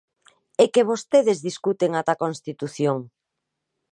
¡É que vostedes discuten ata a Constitución!